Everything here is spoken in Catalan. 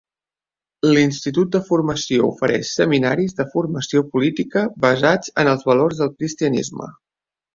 L'Institut de Formació ofereix seminaris de formació política basats en els valors del cristianisme.